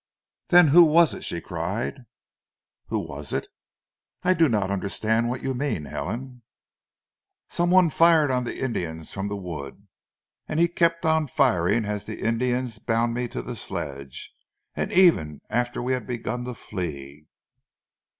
"Then who was it?" she cried. "Who was it? I do not understand what you mean, Helen." "Some one fired on the Indians from the wood, and he kept on firing as the Indians bound me to the sledge, and even after we had begun to flee."